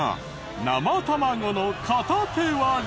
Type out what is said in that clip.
生卵の片手割り。